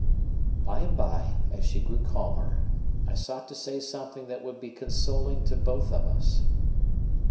By and by, as she grew calmer, I sought to say something that would be consoling to both of us.